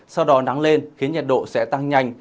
sau đó nắng lên khiến nhiệt độ sẽ tăng nhanh